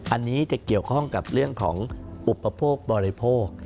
อันนี้จะเกี่ยวข้องกับเรื่องของอุปโภคบริโภค